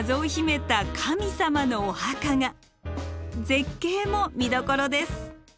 絶景も見どころです。